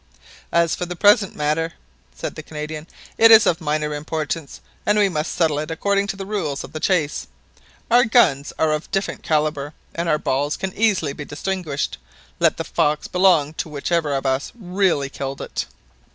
"As for this present matter," said the Canadian, "it is of minor importance, and we must settle it according to the rules of the chase. Our guns are of different calibre, and our balls can be easily distinguished; let the fox belong to whichever of us really killed it."